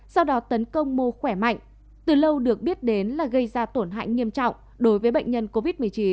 sau đó tấn công mô khỏe mạnh từ lâu được biết đến là gây ra tổn hại nghiêm trọng đối với bệnh nhân covid một mươi chín